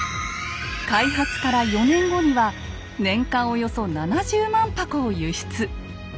開発から４年後には年間およそ７０万箱を輸出。